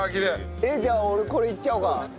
じゃあ俺これいっちゃおうか。